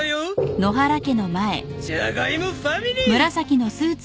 ジャガイモファミリー！